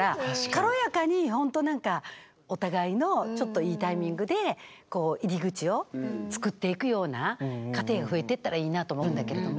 軽やかにほんとなんかお互いのちょっといいタイミングで入り口を作っていくような家庭が増えてったらいいなと思うんだけれども。